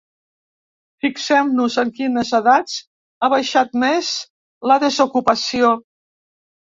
Fixem-nos en quines edats ha baixat més la desocupació.